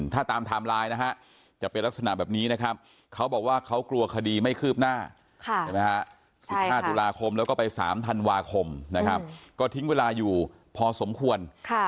ถ้าตามไทม์ไลน์นะฮะจะเป็นลักษณะแบบนี้นะครับเขาบอกว่าเขากลัวคดีไม่คืบหน้า๑๕ตุลาคมแล้วก็ไป๓ธันวาคมนะครับก็ทิ้งเวลาอยู่พอสมควร